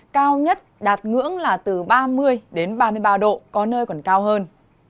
cao nhất đạt ngưỡng là từ ba mươi đến ba mươi ba độ có nơi còn cao hơn